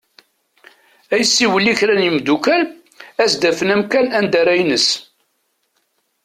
Ad isiwel i kra n yimddukal ad as-d-afen amkan anda ara ines.